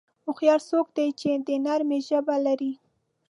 هوښیار څوک دی چې د نرمۍ ژبه لري.